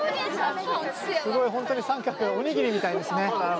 すごい本当に三角おにぎりみたいですね。